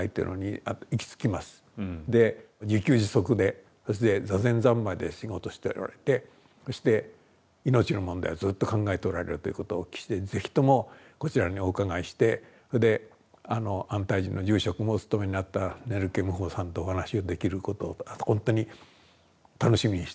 で自給自足でそして坐禅三昧で仕事しておられてそして命の問題をずっと考えておられるということをお聞きして是非ともこちらにお伺いしてそれで安泰寺の住職もお務めになったネルケ無方さんとお話ができることをほんとに楽しみにして伺ったわけです。